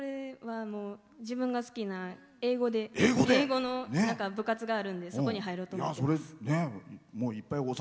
自分が好きな英語で、英語の部活があるんでそこに入ろうと思って。